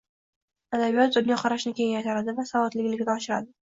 adabiyot dunyoqarashni kengaytiradi va savodlilikni oshiradi.